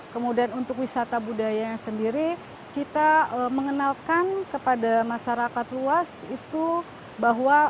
kemudian untuk wisata budaya sendiri kita mengenalkan kepada masyarakat luas itu bahwa